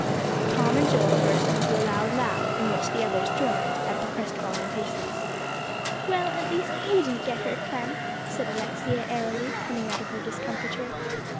Tom and Joel burst into a loud laugh, in which the others joined, at the crestfallen faces. "Well, at least you didn't get her, Clem," said Alexia airily, coming out of her discomfiture.